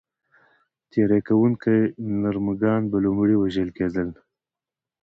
تېري کوونکي نر مږان به لومړی وژل کېدل.